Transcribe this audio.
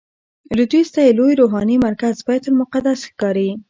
لویدیځ ته یې لوی روحاني مرکز بیت المقدس ښکاري.